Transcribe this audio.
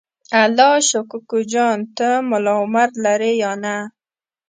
الله شا کوکو جان ته ملا عمر لرې یا نه؟